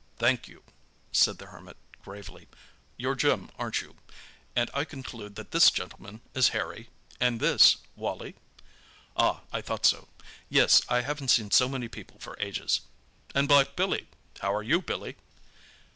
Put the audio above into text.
"Thank you," said the Hermit gravely. "You're Jim, aren't you? And I conclude that this gentleman is Harry, and this Wally? Ah, I thought so. Yes, I haven't seen so many people for ages. And black Billy! How are you Billy?"